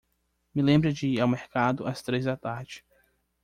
Me lembre de ir ao mercado ás três da tarde.